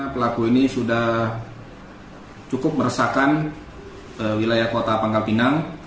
pelaku ini sudah cukup meresahkan wilayah kota pangkal pinang